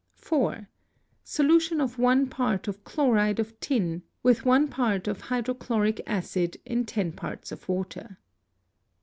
4. Solution of one part of chloride of tin with one part of hydro chloric acid in 10 parts of water.